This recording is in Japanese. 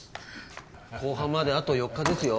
公判まであと４日ですよ